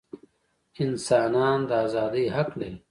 انسانان د ازادۍ حق لري.